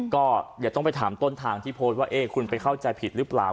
ก็เดี๋ยวต้องไปถามต้นทางที่โพสต์ว่าคุณไปเข้าใจผิดหรือเปล่า